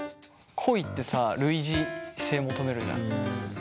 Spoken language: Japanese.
恋ってさ類似性求めるじゃん。